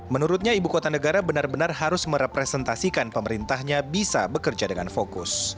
menurutnya ibu kota negara benar benar harus merepresentasikan pemerintahnya bisa bekerja dengan fokus